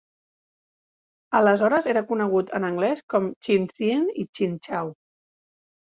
Aleshores era conegut en anglès com Chinhsien i Chinchow.